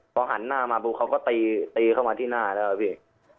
พอหันหน้ามาปุ๊บเขาก็ตีตีเข้ามาที่หน้าแล้วพี่